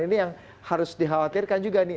ini yang harus dikhawatirkan juga nih